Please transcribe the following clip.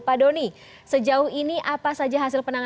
pak doni sejauh ini apa saja hasil penanganan